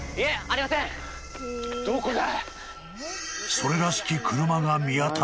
どこだ？